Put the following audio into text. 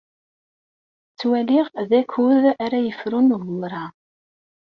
Ttwaliɣ d akud ara yefrun ugur-a.